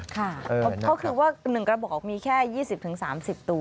ค่ะก็คือว่า๑กระบอกมีแค่๒๐๓๐ตัว